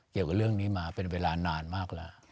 เกี่ยวกับเรื่องนี้มาเป็นเวลานานมากแล้ว